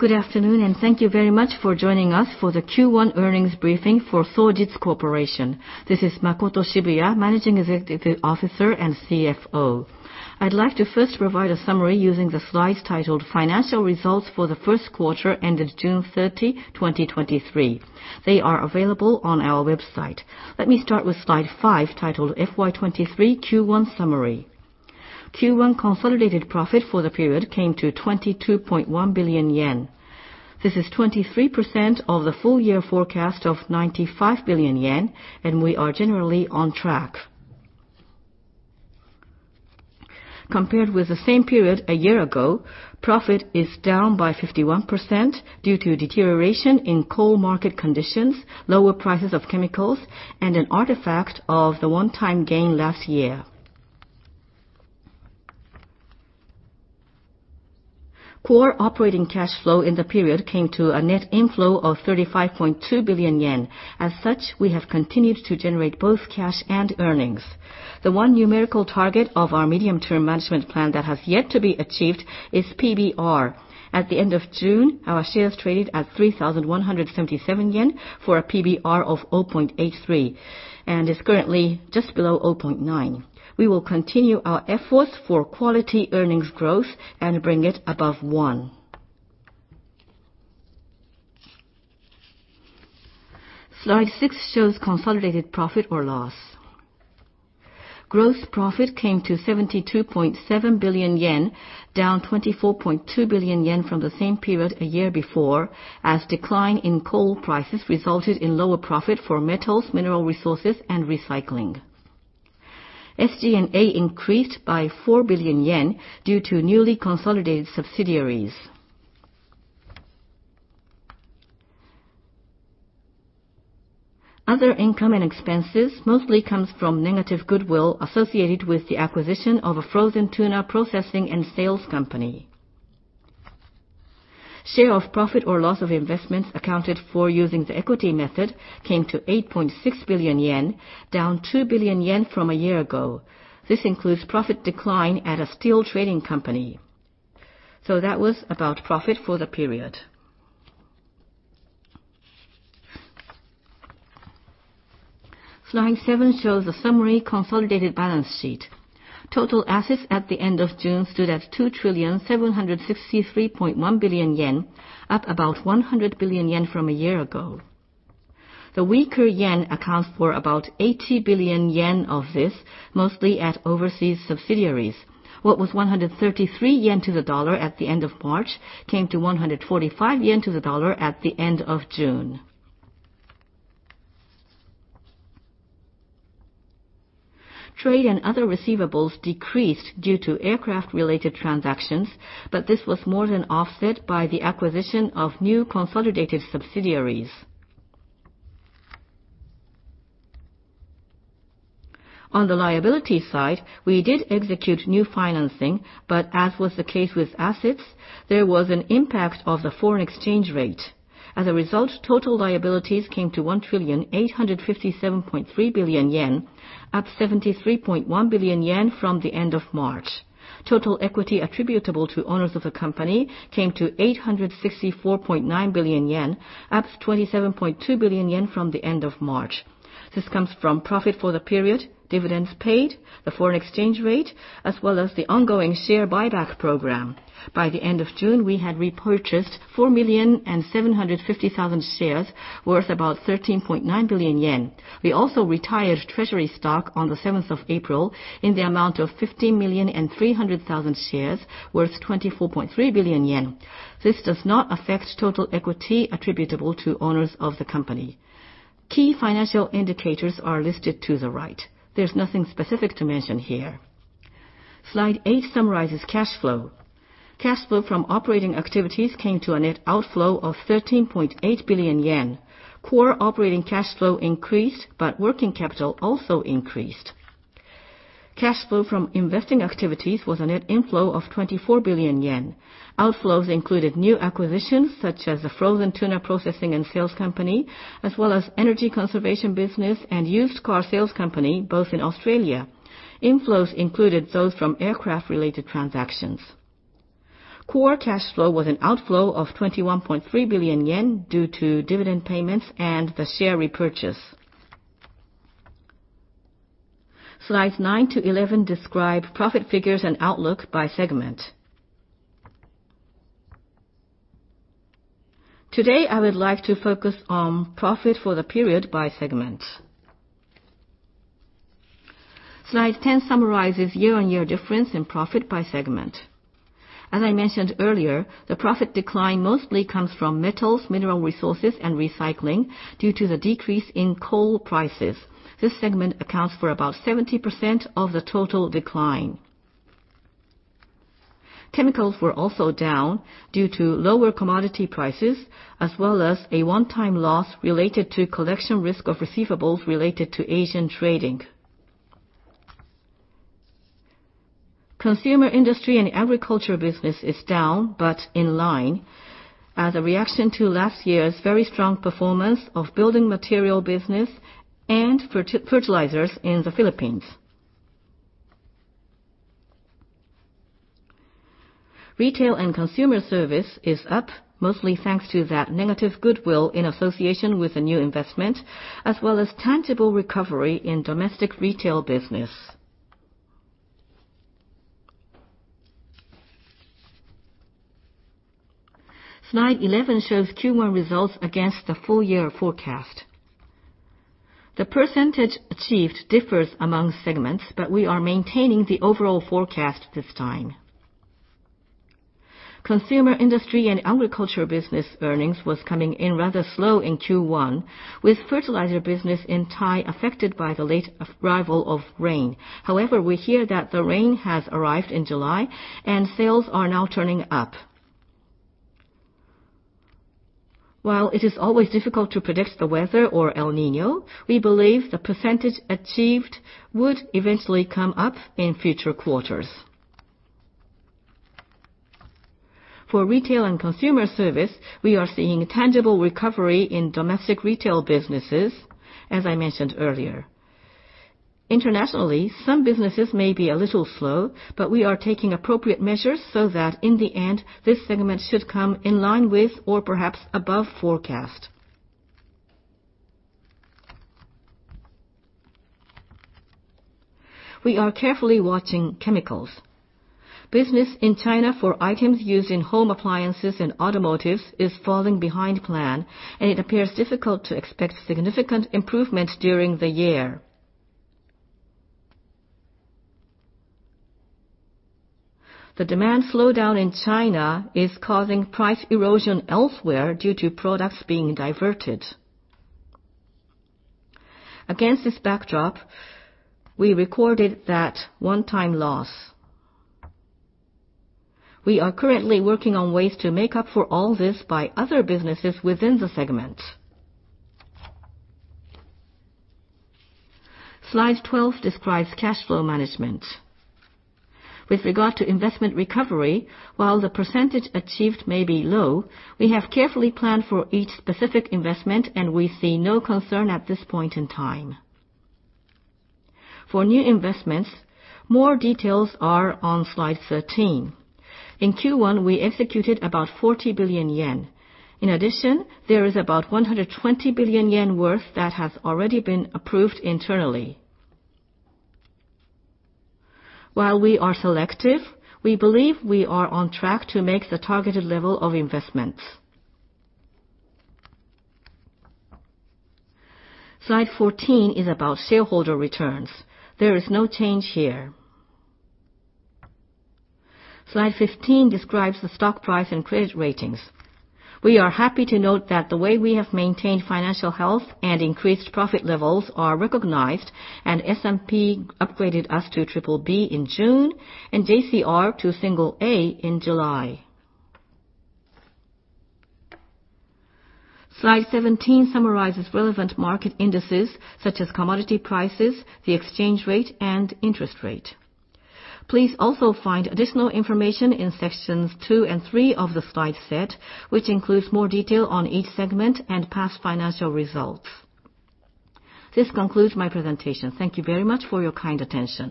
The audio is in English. Good afternoon, and thank you very much for joining us for the Q1 earnings briefing for Sojitz Corporation. This is Makoto Shibuya, Managing Executive Officer and CFO. I'd like to first provide a summary using the slides titled Financial Results for the First Quarter ended June 30, 2023. They are available on our website. Let me start with Slide five, titled FY 2023Q1 Summary. Q1 consolidated profit for the period came to 22.1 billion yen. This is 23% of the full year forecast of 95 billion yen, and we are generally on track. Compared with the same period a year ago, profit is down by 51% due to deterioration in coal market conditions, lower prices of chemicals, and an artifact of the one-time gain last year. Core Operating Cash Flow in the period came to a net inflow of 35.2 billion yen. As such, we have continued to generate both cash and earnings. The one numerical target of our Medium-Term Management Plan that has yet to be achieved is PBR. At the end of June, our shares traded at 3,177 yen for a PBR of 0.83, and is currently just below 0.9. We will continue our efforts for quality earnings growth and bring it above one. Slide six shows consolidated profit or loss. Gross profit came to 72.7 billion yen, down 24.2 billion yen from the same period a year before, as decline in coal prices resulted in lower profit for Metals, Mineral Resources & Recycling. SG&A increased by 4 billion yen due to newly consolidated subsidiaries. Other income and expenses mostly comes from negative goodwill associated with the acquisition of a frozen tuna processing and sales company. Share of profit or loss of investments accounted for using the equity method came to 8.6 billion yen, down 2 billion yen from a year ago. This includes profit decline at a steel trading company. That was about profit for the period. Slide seven shows the summary consolidated balance sheet. Total assets at the end of June stood at 2,763.1 billion yen, up about 100 billion yen from a year ago. The weaker yen accounts for about 80 billion yen of this, mostly at overseas subsidiaries. What was 133 yen to the dollar at the end of March, came to 145 yen to the dollar at the end of June. Trade and other receivables decreased due to aircraft-related transactions, but this was more than offset by the acquisition of new consolidated subsidiaries. On the liability side, we did execute new financing, but as was the case with assets, there was an impact of the foreign exchange rate. As a result, total liabilities came to 1,857.3 billion yen, up 73.1 billion yen from the end of March. Total equity attributable to owners of the company came to 864.9 billion yen, up 27.2 billion yen from the end of March. This comes from profit for the period, dividends paid, the foreign exchange rate, as well as the ongoing share buyback program. By the end of June, we had repurchased 4,750,000 shares, worth about 13.9 billion yen. We also retired treasury stock on the 7th of April in the amount of 15,300,000 shares, worth 24.3 billion yen. This does not affect total equity attributable to owners of the company. Key financial indicators are listed to the right. There's nothing specific to mention here. Slide eight summarizes cash flow. Cash flow from operating activities came to a net outflow of 13.8 billion yen. Core Operating Cash Flow increased, working capital also increased. Cash flow from investing activities was a net inflow of 24 billion yen. Outflows included new acquisitions such as the frozen tuna processing and sales company, as well as energy conservation business and used car sales company, both in Australia. Inflows included those from aircraft-related transactions. Core Cash Flow was an outflow of 21.3 billion yen due to dividend payments and the share repurchase. Slides 9-11 describe profit figures and outlook by segment. Today, I would like to focus on profit for the period by segment. Slide 10 summarizes year-on-year difference in profit by segment. As I mentioned earlier, the profit decline mostly comes from Metals, Mineral Resources, and Recycling due to the decrease in coal prices. This segment accounts for about 70% of the total decline. Chemicals were also down due to lower commodity prices, as well as a one-time loss related to collection risk of receivables related to Asian trading. Consumer Industry and Agriculture Business is down, but in line as a reaction to last year's very strong performance of building material business and fertilizers in the Philippines. Retail and Consumer Service is up, mostly thanks to that negative goodwill in association with the new investment, as well as tangible recovery in domestic retail business. Slide 11 shows Q1 results against the full year forecast. The percentage achieved differs among segments, but we are maintaining the overall forecast this time. Consumer Industry & Agriculture Business earnings was coming in rather slow in Q1, with fertilizer business in Thai affected by the late arrival of rain. However, we hear that the rain has arrived in July, and sales are now turning up. While it is always difficult to predict the weather or El Niño, we believe the percentage achieved would eventually come up in future quarters. For Retail & Consumer Service, we are seeing tangible recovery in domestic retail businesses, as I mentioned earlier. Internationally, some businesses may be a little slow, but we are taking appropriate measures so that in the end, this segment should come in line with or perhaps above forecast. We are carefully watching Chemicals. Business in China for items used in home appliances and automotives is falling behind plan, and it appears difficult to expect significant improvement during the year. The demand slowdown in China is causing price erosion elsewhere due to products being diverted. Against this backdrop, we recorded that one-time loss. We are currently working on ways to make up for all this by other businesses within the segment. Slide 12 describes cash flow management. With regard to investment recovery, while the percentage achieved may be low, we have carefully planned for each specific investment, and we see no concern at this point in time. For new investments, more details are on Slide 13. In Q1, we executed about 40 billion yen. In addition, there is about 120 billion yen worth that has already been approved internally. While we are selective, we believe we are on track to make the targeted level of investments. Slide 14 is about shareholder returns. There is no change here. Slide 15 describes the stock price and credit ratings. We are happy to note that the way we have maintained financial health and increased profit levels are recognized, and S&P upgraded us to Triple B in June and JCR to Single A in July. Slide 17 summarizes relevant market indices such as commodity prices, the exchange rate, and interest rate. Please also find additional information in sections 2 and 3 of the slide set, which includes more detail on each segment and past financial results. This concludes my presentation. Thank you very much for your kind attention.